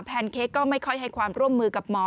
แนนเค้กก็ไม่ค่อยให้ความร่วมมือกับหมอ